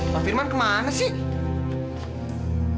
pak firman kemana sih